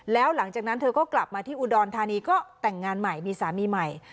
แล้วหลังจากนั้นเธอก็กลับมาที่อุดรธานีก็แต่งงานใหม่มีสามีใหม่